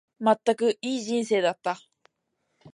まったく、いい人生だった。